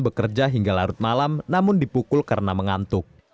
bekerja hingga larut malam namun dipukul karena mengantuk